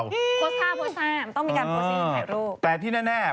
โพสต์ห้ามันต้องมีการโพสต์สิ่งถ่ายรูป